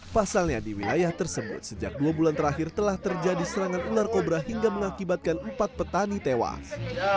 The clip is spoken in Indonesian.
pasalnya di wilayah tersebut sejak dua bulan terakhir telah terjadi serangan ular kobra hingga mengakibatkan empat petani tewas